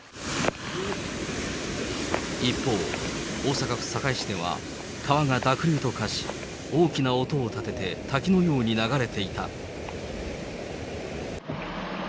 一方、大阪府堺市では川が濁流と化し、大きな音を立てて、滝のように流れていた。